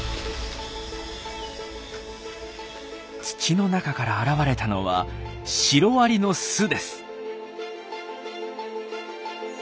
土の中から現れたのはシロアリの巣です。